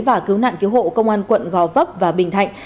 và cứu nạn cứu hộ công an quận gò vấp và bình thạnh